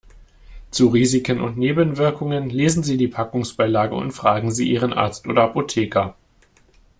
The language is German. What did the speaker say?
Zu Risiken und Nebenwirkungen lesen Sie die Packungsbeilage und fragen Sie Ihren Arzt oder Apotheker.